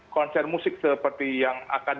konser musik seperti yang akan